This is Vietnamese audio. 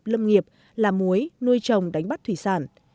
lâm nghiệp làm muối nuôi trồng đánh bắt thủy sản